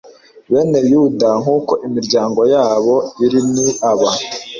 bene yuda nk uko imiryango yabo iri ni aba